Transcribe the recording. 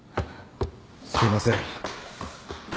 すいません。